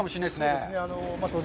そうですね。